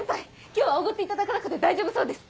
今日はおごっていただかなくて大丈夫そうです！